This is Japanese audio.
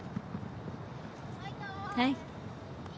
はい。